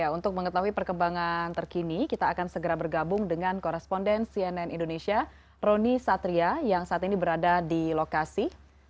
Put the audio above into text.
untuk mengetahui perkembangan terkini kita akan segera bergabung dengan koresponden cnn indonesia roni satria yang saat ini berada di lokasi